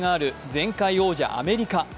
前回王者・アメリカ。